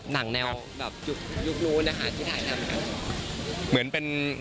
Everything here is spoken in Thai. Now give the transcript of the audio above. หนังแนวแบบยุคโน้นที่ถ่ายทำไหมครับ